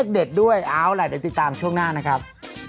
เด็ดด้วยเอาล่ะเดี๋ยวติดตามช่วงหน้านะครับ